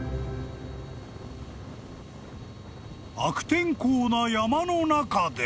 ［悪天候な山の中で］